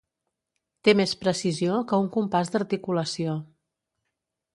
Té més precisió que un compàs d'articulació.